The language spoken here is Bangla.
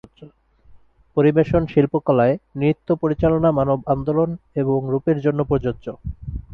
পরিবেশন শিল্পকলায় নৃত্য পরিচালনা মানব আন্দোলন এবং রূপের জন্য প্রযোজ্য।